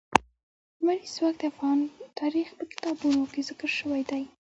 لمریز ځواک د افغان تاریخ په کتابونو کې ذکر شوی دي.